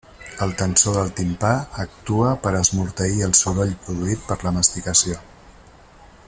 El tensor del timpà actua per esmorteir el soroll produït per la masticació.